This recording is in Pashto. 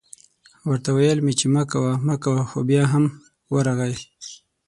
ورته ویل مې چې مه کوه مه کوه خو بیا هم ورغی